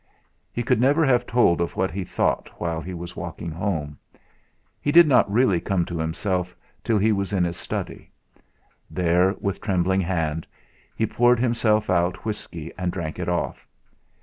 He could never have told of what he thought while he was walking home. He did not really come to himself till he was in his study. There, with a trembling hand, he poured himself out whisky and drank it off.